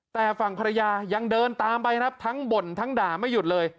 แต่ฝั่งภรรยายังเดินตามไปครับทั้งบ่นทั้งด่าไม่หยุดเลย